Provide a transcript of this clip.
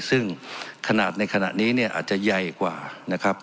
ซึ่งขนาดในขณะนี้อาจจะใหญ่กว่า